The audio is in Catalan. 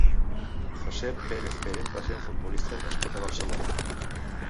José Pérez Pérez va ser un futbolista nascut a Barcelona.